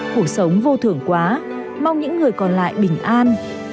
cuộc sống vô thường quá mong những người còn lại bình an